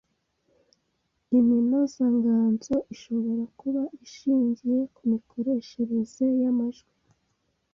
Iminozanganzo ishobora kuba ishingiye ku mikoreshereze y’amajwi